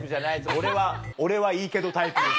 俺は「俺はいいけど」タイプです。